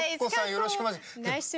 よろしくお願いします。